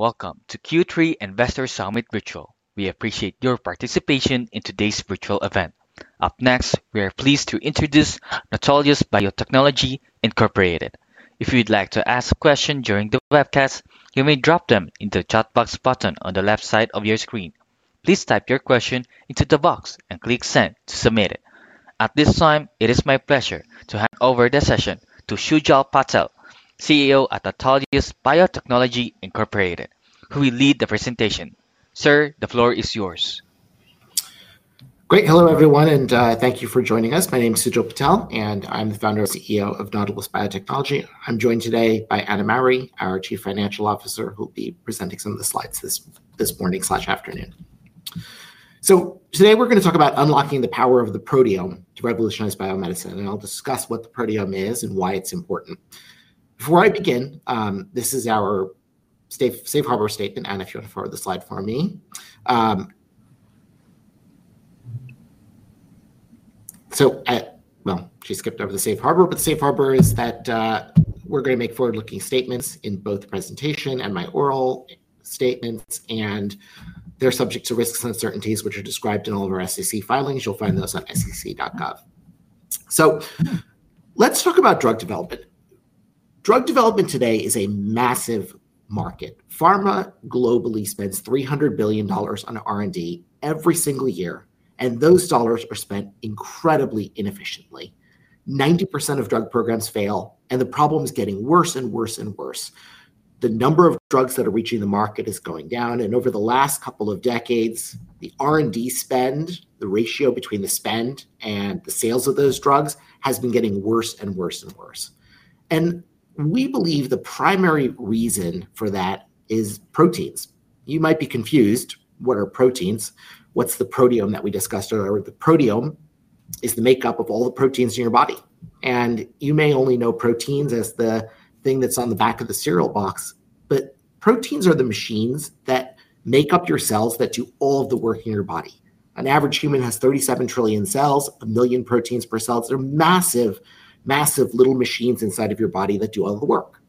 Welcome to Q3 Investor Summit virtual. We appreciate your participation in today's virtual event. Up next, we are pleased to introduce Nautilus Biotechnology, Inc. If you'd like to ask questions during the webcast, you may drop them in the chat box button on the left side of your screen. Please type your question into the box and click "Send" to submit it. At this time, it is my pleasure to hand over the session to Sujal Patel, CEO at Nautilus Biotechnology, Inc., who will lead the presentation. Sir, the floor is yours. Great. Hello, everyone, and thank you for joining us. My name is Sujal Patel, and I'm the founder and CEO of Nautilus Biotechnology. I'm joined today by Anna Mowry, our Chief Financial Officer, who will be presenting some of the slides this morning/afternoon. Today, we're going to talk about unlocking the power of the proteome to revolutionize biomedicine, and I'll discuss what the proteome is and why it's important. Before I begin, this is our Safe Harbor statement. Anna, if you want to forward the slide for me. She skipped over the Safe Harbor, but the Safe Harbor is that we're going to make forward-looking statements in both presentation and my oral statements, and they're subject to risks and uncertainties, which are described in all of our SEC filings. You'll find those on sec.gov. Let's talk about drug development. Drug development today is a massive market. Pharma globally spends $300 billion on R&D every single year, and those dollars are spent incredibly inefficiently. 90% of drug programs fail, and the problem is getting worse and worse and worse. The number of drugs that are reaching the market is going down, and over the last couple of decades, the R&D spend, the ratio between the spend and the sales of those drugs, has been getting worse and worse and worse. We believe the primary reason for that is proteins. You might be confused. What are proteins? What's the proteome that we discussed earlier? The proteome is the makeup of all the proteins in your body. You may only know proteins as the thing that's on the back of the cereal box, but proteins are the machines that make up your cells that do all of the work in your body. An average human has 37 trillion cells, a million proteins per cell. They're massive, massive little machines inside of your body that do all the work.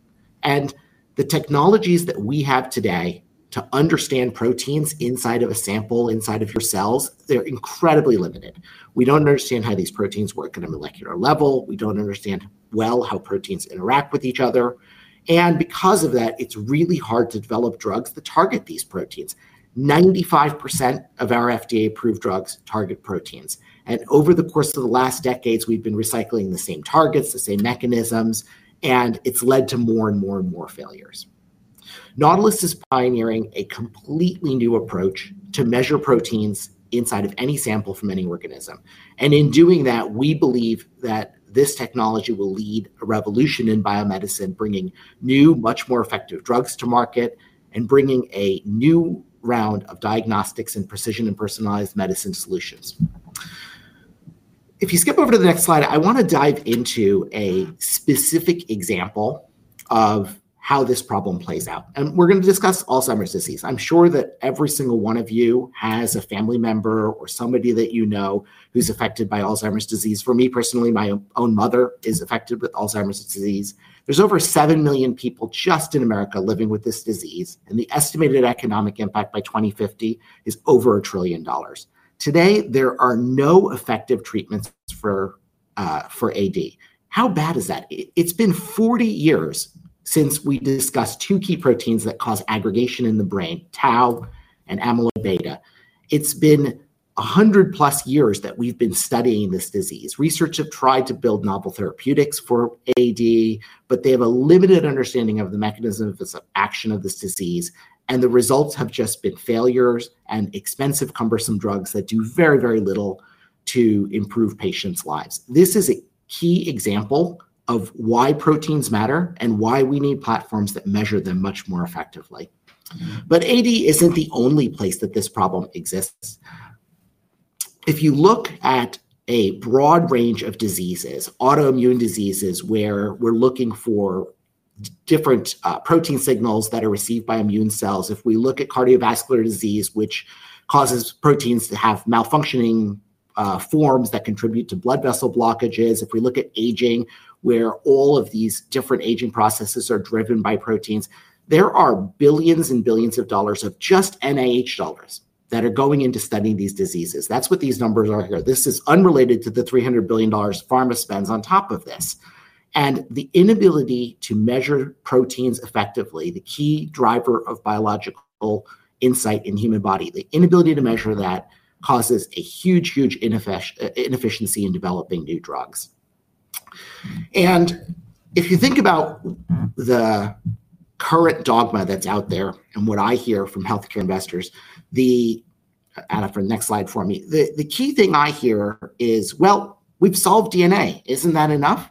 The technologies that we have today to understand proteins inside of a sample, inside of your cells, they're incredibly limited. We don't understand how these proteins work at a molecular level. We don't understand well how proteins interact with each other. Because of that, it's really hard to develop drugs that target these proteins. 95% of our FDA-approved drugs target proteins. Over the course of the last decades, we've been recycling the same targets, the same mechanisms, and it's led to more and more and more failures. Nautilus is pioneering a completely new approach to measure proteins inside of any sample from any organism. In doing that, we believe that this technology will lead a revolution in biomedicine, bringing new, much more effective drugs to market and bringing a new round of diagnostics and precision and personalized medicine solutions. If you skip over to the next slide, I want to dive into a specific example of how this problem plays out. We're going to discuss Alzheimer's disease. I'm sure that every single one of you has a family member or somebody that you know who's affected by Alzheimer's disease. For me personally, my own mother is affected with Alzheimer's disease. There are over 7 million people just in America living with this disease, and the estimated economic impact by 2050 is over $1 trillion. Today, there are no effective treatments for AD. How bad is that? It's been 40 years since we discussed two key proteins that cause aggregation in the brain, Tau and amyloid beta. It's been 100 plus years that we've been studying this disease. Researchers have tried to build novel therapeutics for AD, but they have a limited understanding of the mechanism of action of this disease, and the results have just been failures and expensive, cumbersome drugs that do very, very little to improve patients' lives. This is a key example of why proteins matter and why we need platforms that measure them much more effectively. AD isn't the only place that this problem exists. If you look at a broad range of diseases, autoimmune diseases where we're looking for different protein signals that are received by immune cells, if we look at cardiovascular disease, which causes proteins to have malfunctioning forms that contribute to blood vessel blockages, if we look at aging, where all of these different aging processes are driven by proteins, there are billions and billions of dollars of just NIH dollars that are going into studying these diseases. That's what these numbers are here. This is unrelated to the $300 billion pharma spend on top of this. The inability to measure proteins effectively, the key driver of biological insight in the human body, the inability to measure that causes a huge, huge inefficiency in developing new drugs. If you think about the current dogma that's out there and what I hear from health care investors, the Anna for the next slide for me, the key thing I hear is, we've solved DNA. Isn't that enough?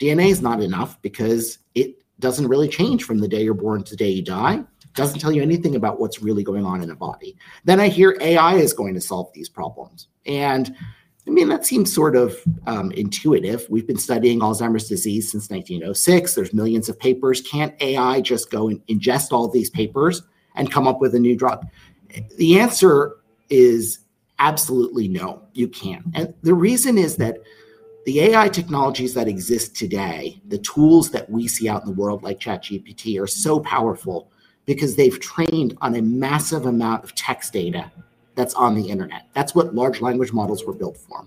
DNA is not enough because it doesn't really change from the day you're born to the day you die. It doesn't tell you anything about what's really going on in the body. I hear AI is going to solve these problems. I mean, that seems sort of intuitive. We've been studying Alzheimer's disease since 1906. There's millions of papers. Can't AI just go and ingest all of these papers and come up with a new drug? The answer is absolutely no, you can't. The reason is that the AI technologies that exist today, the tools that we see out in the world like ChatGPT, are so powerful because they've trained on a massive amount of text data that's on the internet. That's what large language models were built for.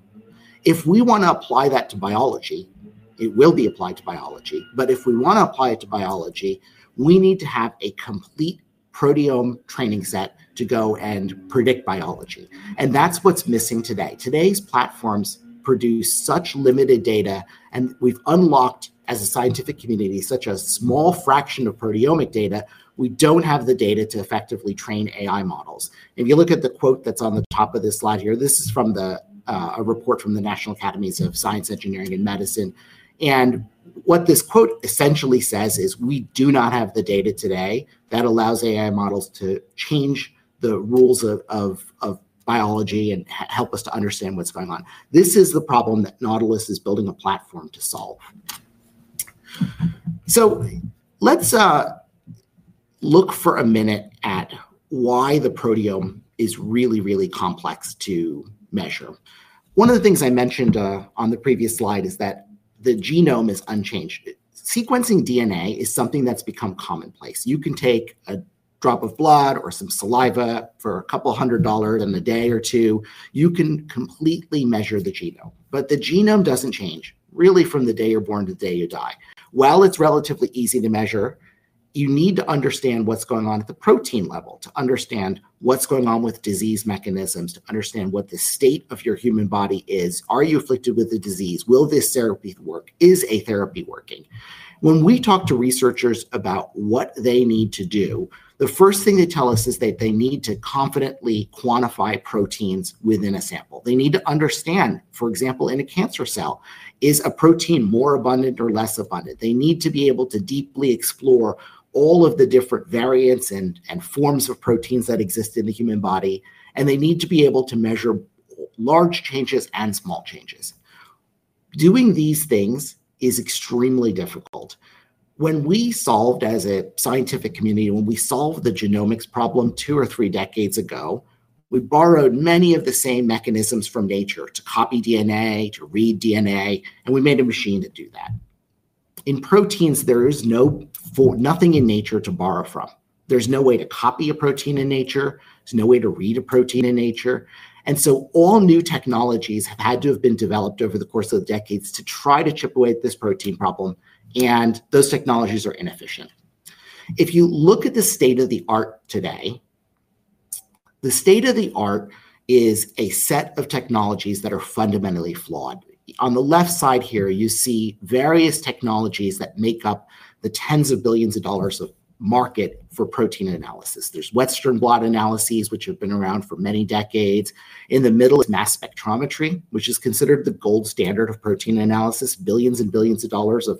If we want to apply that to biology, it will be applied to biology. If we want to apply it to biology, we need to have a complete proteome training set to go and predict biology. That's what's missing today. Today's platforms produce such limited data, and we've unlocked, as a scientific community, such a small fraction of proteomic data. We don't have the data to effectively train AI models. If you look at the quote that's on the top of this slide here, this is from a report from the National Academies of Science, Engineering, and Medicine. What this quote essentially says is we do not have the data today that allows AI models to change the rules of biology and help us to understand what's going on. This is the problem that Nautilus Biotechnology is building a platform to solve. Let's look for a minute at why the proteome is really, really complex to measure. One of the things I mentioned on the previous slide is that the genome is unchanged. Sequencing DNA is something that's become commonplace. You can take a drop of blood or some saliva for a couple hundred dollars in a day or two. You can completely measure the genome. The genome doesn't change really from the day you're born to the day you die. While it's relatively easy to measure, you need to understand what's going on at the protein level to understand what's going on with disease mechanisms, to understand what the state of your human body is. Are you afflicted with a disease? Will this therapy work? Is a therapy working? When we talk to researchers about what they need to do, the first thing they tell us is that they need to confidently quantify proteins within a sample. They need to understand, for example, in a cancer cell, is a protein more abundant or less abundant? They need to be able to deeply explore all of the different variants and forms of proteins that exist in the human body, and they need to be able to measure large changes and small changes. Doing these things is extremely difficult. When we solved, as a scientific community, when we solved the genomics problem two or three decades ago, we borrowed many of the same mechanisms from nature to copy DNA, to read DNA, and we made a machine to do that. In proteins, there is nothing in nature to borrow from. There's no way to copy a protein in nature. There's no way to read a protein in nature. All new technologies have had to have been developed over the course of the decades to try to chip away at this protein problem, and those technologies are inefficient. If you look at the state of the art today, the state of the art is a set of technologies that are fundamentally flawed. On the left side here, you see various technologies that make up the tens of billions of dollars of market for protein analysis. There's western blot analyses, which have been around for many decades. In the middle is mass spectrometry, which is considered the gold standard of protein analysis. Billions and billions of dollars of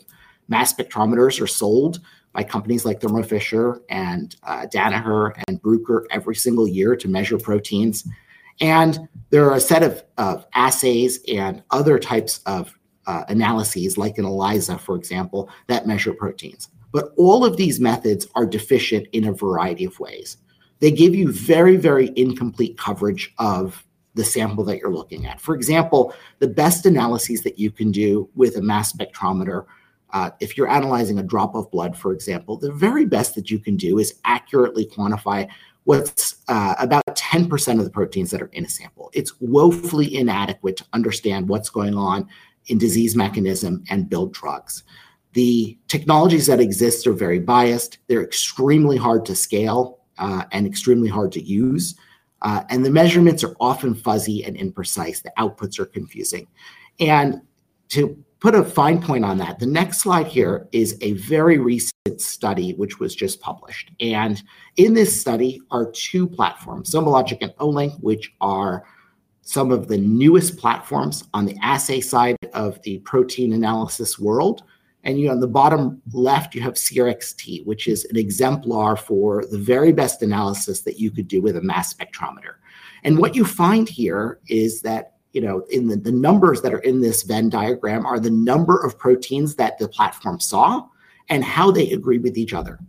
mass spectrometers are sold by companies like Thermo Fisher and Danaher and Bruker every single year to measure proteins. There are a set of assays and other types of analyses, like an ELISA, for example, that measure proteins. All of these methods are deficient in a variety of ways. They give you very, very incomplete coverage of the sample that you're looking at. For example, the best analyses that you can do with a mass spectrometer, if you're analyzing a drop of blood, for example, the very best that you can do is accurately quantify what's about 10% of the proteins that are in a sample. It's woefully inadequate to understand what's going on in disease mechanisms and build drugs. The technologies that exist are very biased. They're extremely hard to scale and extremely hard to use. The measurements are often fuzzy and imprecise. The outputs are confusing. To put a fine point on that, the next slide here is a very recent study, which was just published. In this study are two platforms, Somalogic and Olink, which are some of the newest platforms on the assay side of the protein analysis world. On the bottom left, you have CRX-T, which is an exemplar for the very best analysis that you could do with a mass spectrometer. What you find here is that, you know, the numbers that are in this Venn diagram are the number of proteins that the platform saw and how they agree with each other.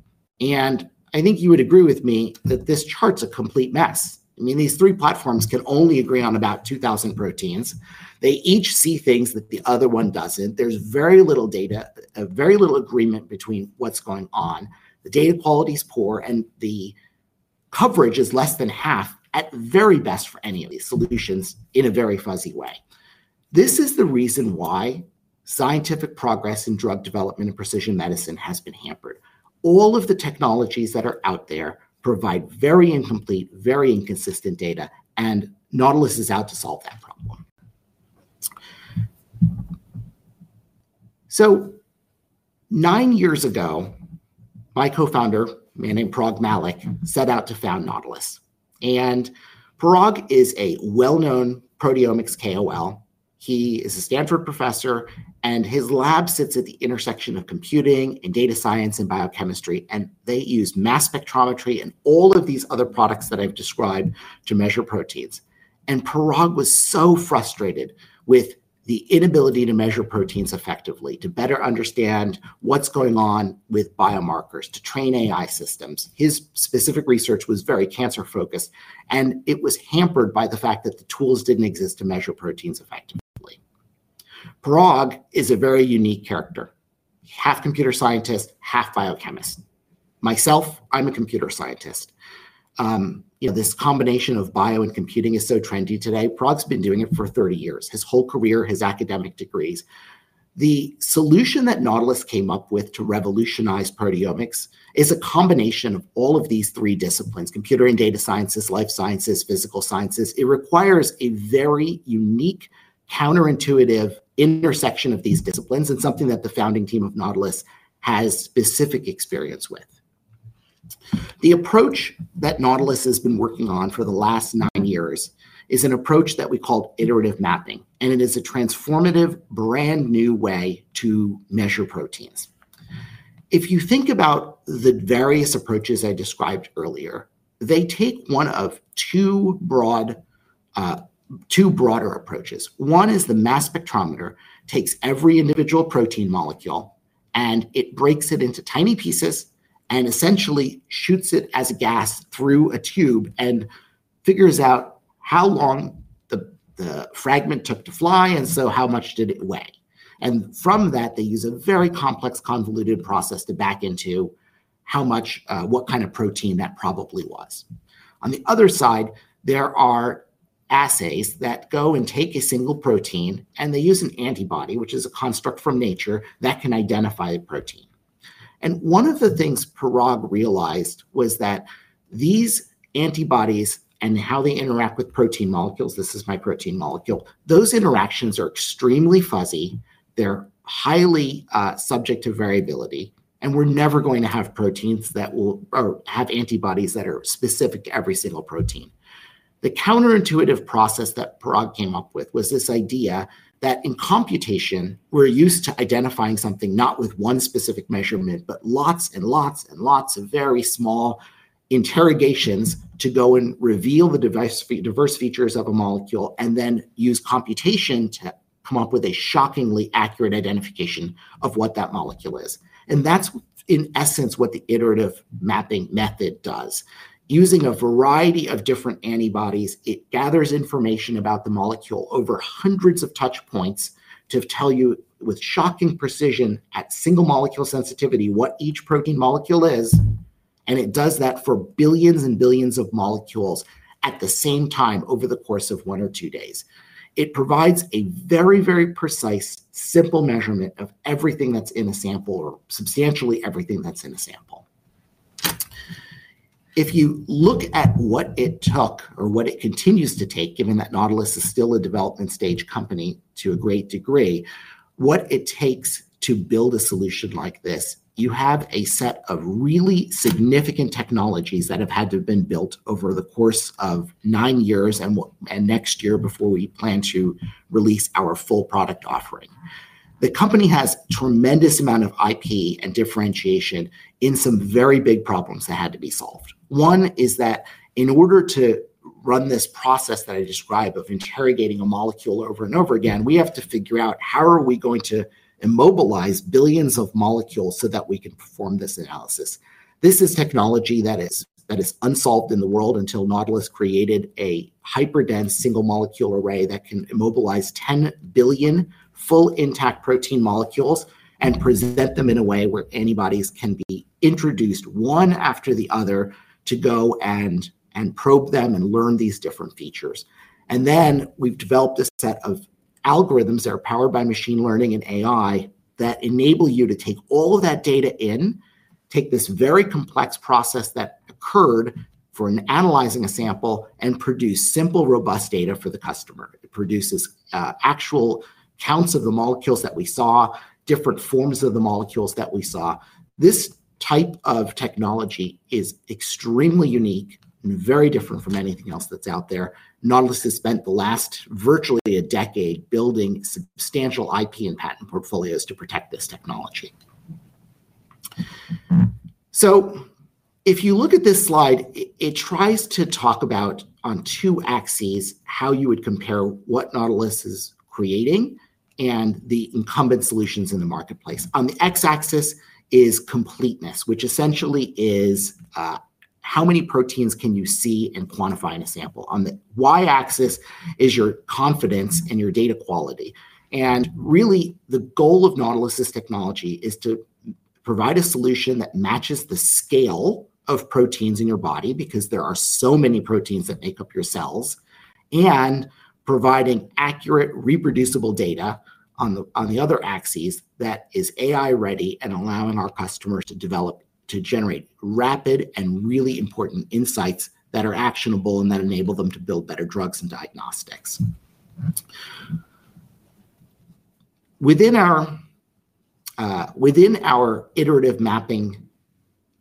I think you would agree with me that this chart's a complete mess. I mean, these three platforms can only agree on about 2,000 proteins. They each see things that the other one doesn't. There's very little data, very little agreement between what's going on. The data quality is poor, and the coverage is less than half, at the very best for any of these solutions, in a very fuzzy way. This is the reason why scientific progress in drug development and precision medicine has been hampered. All of the technologies that are out there provide very incomplete, very inconsistent data, and Nautilus Biotechnology is out to solve that. Nine years ago, my co-founder, a man named Parag Mallick, set out to found Nautilus Biotechnology. Parag is a well-known proteomics KOL. He is a Stanford professor, and his lab sits at the intersection of computing and data science and biochemistry. They use mass spectrometry and all of these other products that I've described to measure proteins. Parag was so frustrated with the inability to measure proteins effectively, to better understand what's going on with biomarkers, to train AI systems. His specific research was very cancer-focused, and it was hampered by the fact that the tools didn't exist to measure proteins effectively. Parag is a very unique character. Half computer scientist, half biochemist. Myself, I'm a computer scientist. You know, this combination of bio and computing is so trendy today. Parag's been doing it for 30 years, his whole career, his academic degrees. The solution that Nautilus Biotechnology came up with to revolutionize proteomics is a combination of all of these three disciplines: computer and data sciences, life sciences, physical sciences. It requires a very unique, counterintuitive intersection of these disciplines and something that the founding team of Nautilus Biotechnology has specific experience with. The approach that Nautilus Biotechnology has been working on for the last nine years is an approach that we call iterative mapping, and it is a transformative, brand new way to measure proteins. If you think about the various approaches I described earlier, they take one of two broader approaches. One is the mass spectrometer, takes every individual protein molecule, and it breaks it into tiny pieces and essentially shoots it as a gas through a tube and figures out how long the fragment took to fly, and so how much did it weigh. From that, they use a very complex, convoluted process to back into how much, what kind of protein that probably was. On the other side, there are assays that go and take a single protein, and they use an antibody, which is a construct from nature that can identify a protein. One of the things Parag realized was that these antibodies and how they interact with protein molecules, this is my protein molecule, those interactions are extremely fuzzy. They're highly subject to variability, and we're never going to have proteins that will have antibodies that are specific to every single protein. The counterintuitive process that Parag came up with was this idea that in computation, we're used to identifying something not with one specific measurement, but lots and lots and lots of very small interrogations to go and reveal the diverse features of a molecule and then use computation to come up with a shockingly accurate identification of what that molecule is. That's, in essence, what the iterative mapping method does. Using a variety of different antibodies, it gathers information about the molecule over hundreds of touch points to tell you with shocking precision at single molecule sensitivity what each protein molecule is, and it does that for billions and billions of molecules at the same time over the course of one or two days. It provides a very, very precise, simple measurement of everything that's in a sample or substantially everything that's in a sample. If you look at what it took or what it continues to take, given that Nautilus Biotechnology is still a development stage company to a great degree, what it takes to build a solution like this, you have a set of really significant technologies that have had to have been built over the course of nine years and next year before we plan to release our full product offering. The company has a tremendous amount of IP and differentiation in some very big problems that had to be solved. One is that in order to run this process that I described of interrogating a molecule over and over again, we have to figure out how are we going to immobilize billions of molecules so that we can perform this analysis. This is technology that is unsolved in the world until Nautilus Biotechnology created a hyperdense single-molecule array that can immobilize 10 billion full intact protein molecules and present them in a way where antibodies can be introduced one after the other to go and probe them and learn these different features. We've developed a set of algorithms that are powered by machine learning and AI that enable you to take all of that data in, take this very complex process that occurred for analyzing a sample, and produce simple, robust data for the customer. It produces actual counts of the molecules that we saw, different forms of the molecules that we saw. This type of technology is extremely unique and very different from anything else that's out there. Nautilus Biotechnology has spent the last virtually a decade building substantial IP and patent portfolios to protect this technology. If you look at this slide, it tries to talk about on two axes how you would compare what Nautilus Biotechnology is creating and the incumbent solutions in the marketplace. On the x-axis is completeness, which essentially is how many proteins can you see and quantify in a sample. On the y-axis is your confidence in your data quality. Really, the goal of Nautilus Biotechnology's technology is to provide a solution that matches the scale of proteins in your body because there are so many proteins that make up your cells, and providing accurate, reproducible data on the other axes that is AI-ready and allowing our customers to develop to generate rapid and really important insights that are actionable and that enable them to build better drugs and diagnostics. Within our iterative mapping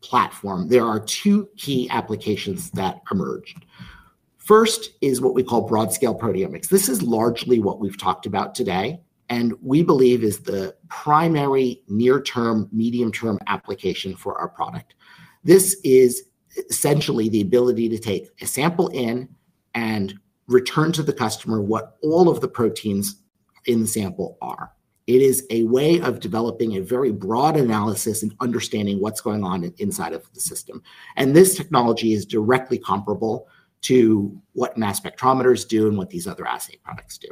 platform, there are two key applications that emerge. First is what we call broad-scale proteomics. This is largely what we've talked about today and we believe is the primary near-term, medium-term application for our product. This is essentially the ability to take a sample in and return to the customer what all of the proteins in the sample are. It is a way of developing a very broad analysis and understanding what's going on inside of the system. This technology is directly comparable to what mass spectrometers do and what these other assay products do.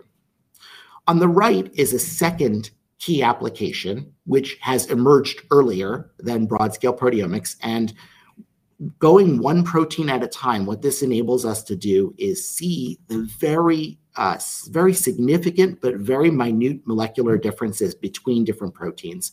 On the right is a second key application, which has emerged earlier than broad-scale proteomics, and going one protein at a time. What this enables us to do is see the very significant but very minute molecular differences between different proteins.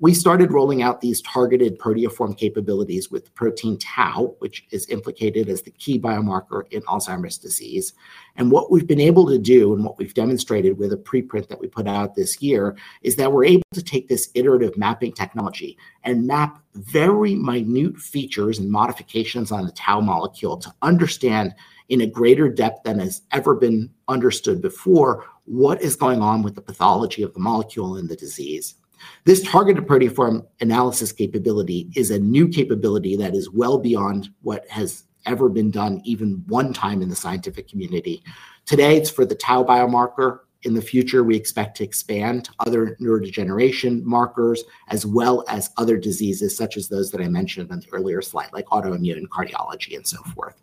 We started rolling out these targeted proteoform capabilities with the protein Tau, which is implicated as the key biomarker in Alzheimer's disease. What we've been able to do and what we've demonstrated with a preprint that we put out this year is that we're able to take this iterative mapping technology and map very minute features and modifications on the Tau molecule to understand in a greater depth than has ever been understood before what is going on with the pathology of the molecule and the disease. This targeted proteoform analysis capability is a new capability that is well beyond what has ever been done even one time in the scientific community. Today, it's for the Tau biomarker. In the future, we expect to expand to other neurodegeneration markers as well as other diseases such as those that I mentioned on the earlier slide, like autoimmune, cardiology, and so forth.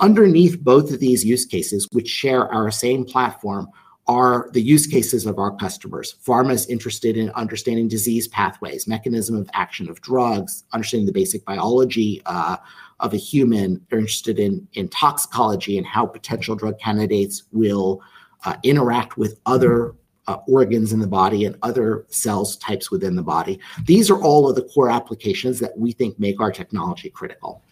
Underneath both of these use cases, which share our same platform, are the use cases of our customers. Pharma is interested in understanding disease pathways, mechanism of action of drugs, understanding the basic biology of a human. They're interested in toxicology and how potential drug candidates will interact with other organs in the body and other cell types within the body. These are all of the core applications that we think make our technology critical.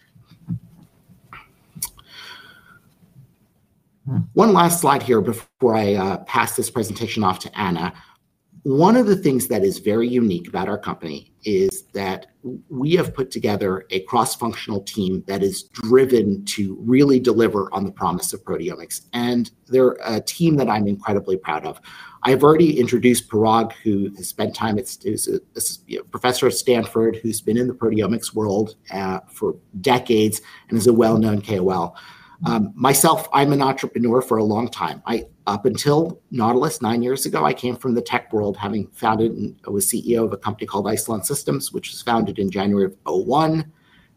One last slide here before I pass this presentation off to Anna. One of the things that is very unique about our company is that we have put together a cross-functional team that is driven to really deliver on the promise of proteomics, and they're a team that I'm incredibly proud of. I've already introduced Parag, who has spent time as a professor at Stanford, who's been in the proteomics world for decades and is a well-known KOL. Myself, I'm an entrepreneur for a long time. Up until Nautilus, nine years ago, I came from the tech world, having founded and was CEO of a company called Isilon Systems, which was founded in January of 2001.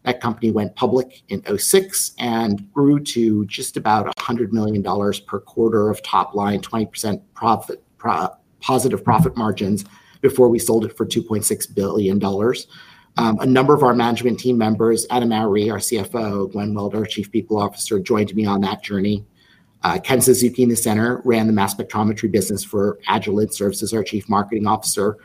That company went public in 2006 and grew to just about $100 million per quarter of top line, 20% positive profit margins before we sold it for $2.6 billion. A number of our management team members, Anna Mowry, our CFO, Gwen Welder, our Chief People Officer, joined me on that journey. Kenzah Zukini, Senator, ran the mass spectrometry business for Agilent Services, our Chief Marketing Officer.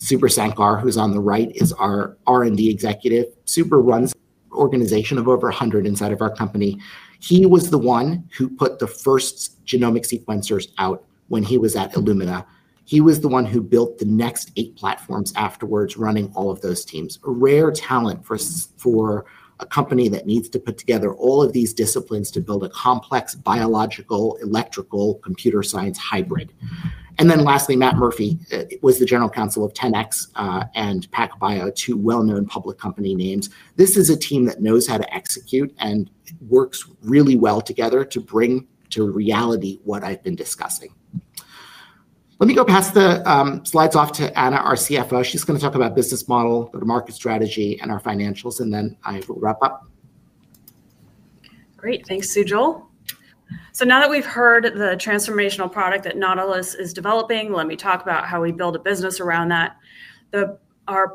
Subrah Sankar, who's on the right, is our R&D executive. Subrah runs an organization of over 100 inside of our company. He was the one who put the first genomic sequencers out when he was at Illumina. He was the one who built the next eight platforms afterwards, running all of those teams. Rare talent for a company that needs to put together all of these disciplines to build a complex biological, electrical, computer science hybrid. Lastly, Matt Murphy was the General Counsel of 10x Genomics and PacBio, two well-known public company names. This is a team that knows how to execute and works really well together to bring to reality what I've been discussing. Let me go pass the slides off to Anna, our CFO. She's going to talk about business model, the market strategy, and our financials, and then I'll wrap up. Great. Thanks, Sujal. Now that we've heard the transformational product that Nautilus Biotechnology is developing, let me talk about how we build a business around that.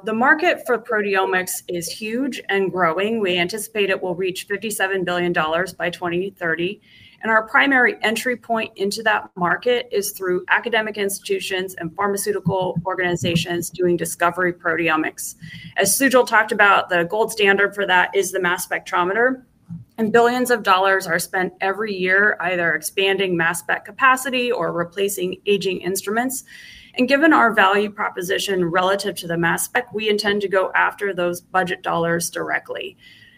The market for proteomics is huge and growing. We anticipate it will reach $57 billion by 2030. Our primary entry point into that market is through academic institutions and pharmaceutical organizations doing discovery proteomics. As Sujal talked about, the gold standard for that is the mass spectrometer, and billions of dollars are spent every year either expanding mass spec capacity or replacing aging instruments. Given our value proposition relative to the mass spec, we intend to go after those budget dollars directly.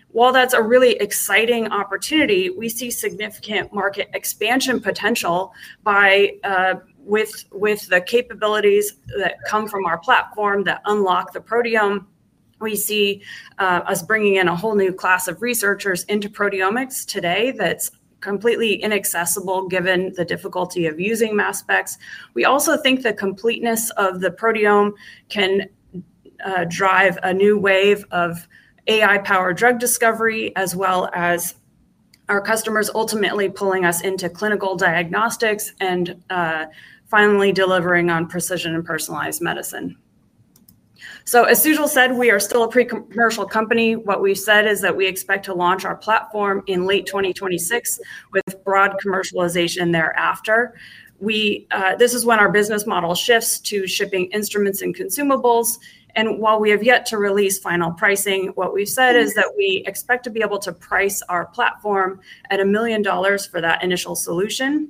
While that's a really exciting opportunity, we see significant market expansion potential with the capabilities that come from our platform that unlock the proteome. We see us bringing in a whole new class of researchers into proteomics today that's completely inaccessible given the difficulty of using mass specs. We also think the completeness of the proteome can drive a new wave of AI-powered drug discovery, as well as our customers ultimately pulling us into clinical diagnostics and finally delivering on precision and personalized medicine. As Sujal said, we are still a pre-commercial company. What we've said is that we expect to launch our platform in late 2026 with broad commercialization thereafter. This is when our business model shifts to shipping instruments and consumables. While we have yet to release final pricing, what we've said is that we expect to be able to price our platform at $1 million for that initial solution,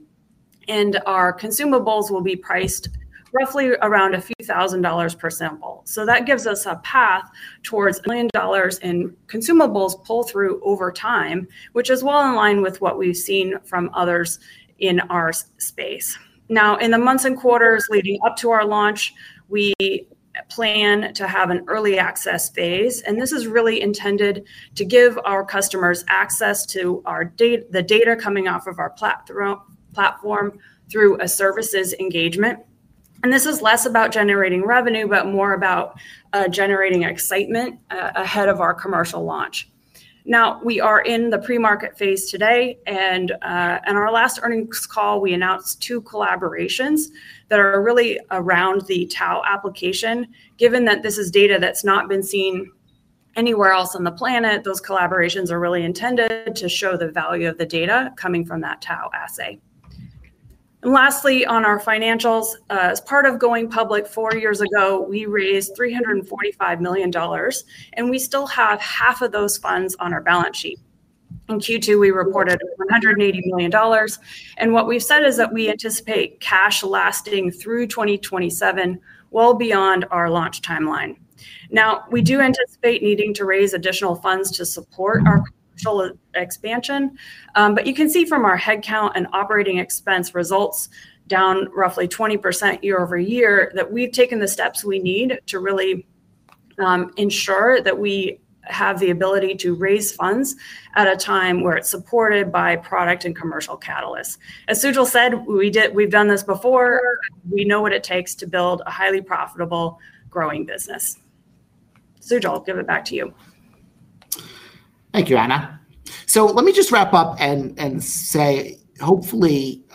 and our consumables will be priced roughly around a few thousand dollars per sample. That gives us a path towards $1 million in consumables pull-through over time, which is well in line with what we've seen from others in our space. In the months and quarters leading up to our launch, we plan to have an early access phase, and this is really intended to give our customers access to the data coming off of our platform through a services engagement. This is less about generating revenue, but more about generating excitement ahead of our commercial launch. We are in the pre-market phase today, and in our last earnings call, we announced two collaborations that are really around the Tau application. Given that this is data that's not been seen anywhere else on the planet, those collaborations are really intended to show the value of the data coming from that Tau assay. Lastly, on our financials, as part of going public four years ago, we raised $345 million, and we still have half of those funds on our balance sheet. In Q2, we reported $180 million, and what we've said is that we anticipate cash lasting through 2027, well beyond our launch timeline. We do anticipate needing to raise additional funds to support our expansion, but you can see from our headcount and operating expense results down roughly 20% year over year that we've taken the steps we need to really ensure that we have the ability to raise funds at a time where it's supported by product and commercial catalysts. As Sujal said, we've done this before. We know what it takes to build a highly profitable, growing business. Sujal, I'll give it back to you. Thank you, Anna. Let me just wrap up and say, hopefully,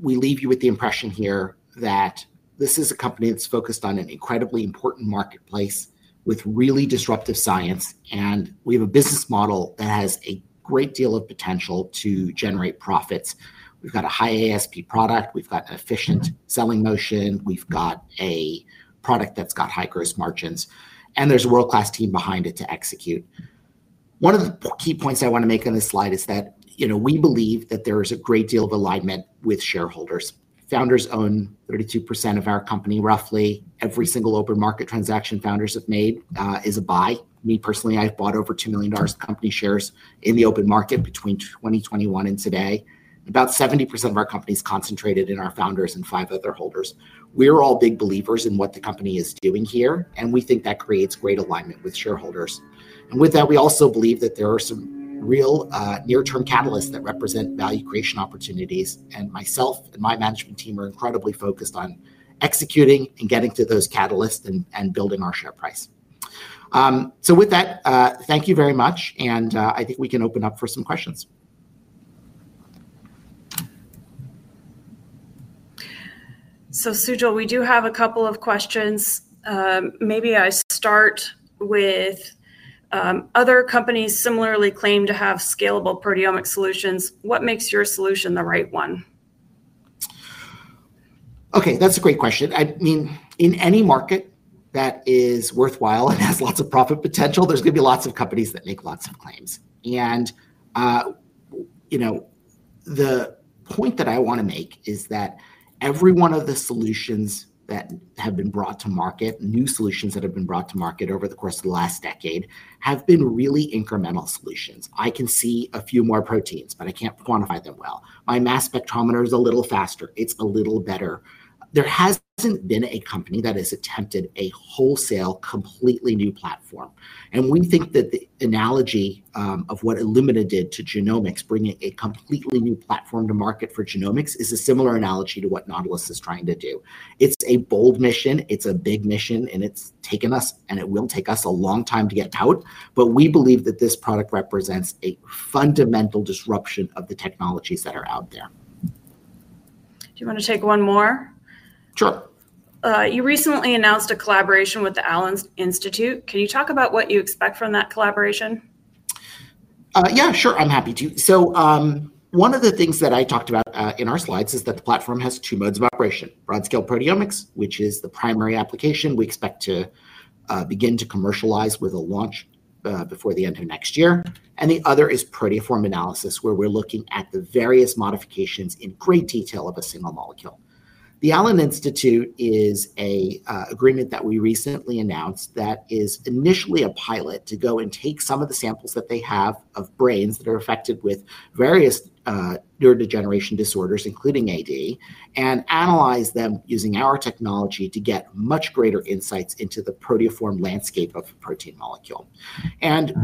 we leave you with the impression here that this is a company that's focused on an incredibly important marketplace with really disruptive science, and we have a business model that has a great deal of potential to generate profits. We've got a high ASP product. We've got an efficient selling motion. We've got a product that's got high gross margins, and there's a world-class team behind it to execute. One of the key points I want to make on this slide is that we believe that there is a great deal of alignment with shareholders. Founders own 32% of our company. Roughly every single open market transaction founders have made is a buy. Me personally, I've bought over $2 million of company shares in the open market between 2021 and today. About 70% of our company is concentrated in our founders and flat-footer holders. We are all big believers in what the company is doing here, and we think that creates great alignment with shareholders. We also believe that there are some real near-term catalysts that represent value creation opportunities, and myself and my management team are incredibly focused on executing and getting to those catalysts and building our share price. Thank you very much, and I think we can open up for some questions. Sujal, we do have a couple of questions. Maybe I start with other companies similarly claim to have scalable proteomic solutions. What makes your solution the right one? OK, that's a great question. I mean, in any market that is worthwhile and has lots of profit potential, there's going to be lots of companies that make lots of claims. The point that I want to make is that every one of the solutions that have been brought to market, new solutions that have been brought to market over the course of the last decade, have been really incremental solutions. I can see a few more proteins, but I can't quantify them well. My mass spectrometer is a little faster. It's a little better. There hasn't been a company that has attempted a wholesale, completely new platform. We think that the analogy of what Illumina did to genomics, bringing a completely new platform to market for genomics, is a similar analogy to what Nautilus Biotechnology is trying to do. It's a bold mission. It's a big mission, and it's taken us, and it will take us a long time to get out. We believe that this product represents a fundamental disruption of the technologies that are out there. Do you want to take one more? Sure. You recently announced a collaboration with the Allen Institute. Can you talk about what you expect from that collaboration? Yeah, sure. I'm happy to. One of the things that I talked about in our slides is that the platform has two modes of operation: broad-scale proteomics, which is the primary application we expect to begin to commercialize with a launch before the end of next year, and the other is proteoform analysis, where we're looking at the various modifications in great detail of a single molecule. The Allen Institute is an agreement that we recently announced that is initially a pilot to go and take some of the samples that they have of brains that are affected with various neurodegeneration disorders, including AD, and analyze them using our technology to get much greater insights into the proteoform landscape of the protein molecule.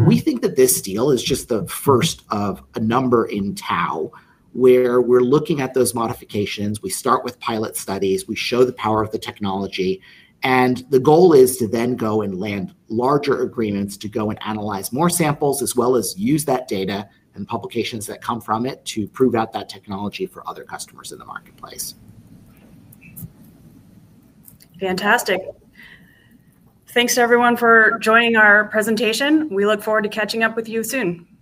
We think that this deal is just the first of a number in Tau, where we're looking at those modifications. We start with pilot studies, we show the power of the technology, and the goal is to then go and land larger agreements to go and analyze more samples, as well as use that data and publications that come from it to prove out that technology for other customers in the marketplace. Fantastic. Thanks, everyone, for joining our presentation. We look forward to catching up with you soon.